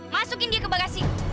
masukin dia ke bagasi